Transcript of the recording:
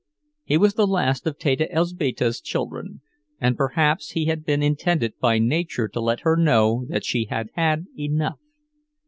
He was the last of Teta Elzbieta's children, and perhaps he had been intended by nature to let her know that she had had enough.